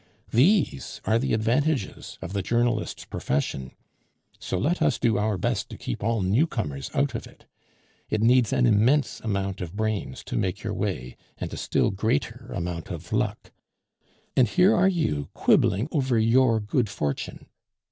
These are the advantages of the journalist's profession. So let us do our best to keep all newcomers out of it. It needs an immense amount of brains to make your way, and a still greater amount of luck. And here are you quibbling over your good fortune!